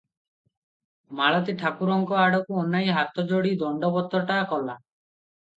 ମାଳତୀ ଠାକୁରଙ୍କ ଆଡ଼କୁ ଅନାଇ ହାତଯୋଡ଼ି ଦଣ୍ଡବତଟା କଲା ।